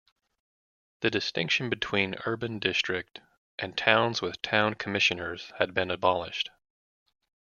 The distinction between urban district and "towns with town commissioners" had been abolished.